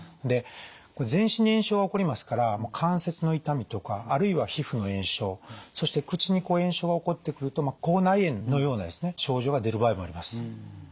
で全身に炎症が起こりますから関節の痛みとかあるいは皮膚の炎症そして口に炎症が起こってくると口内炎のようなですね症状が出る場合もあります。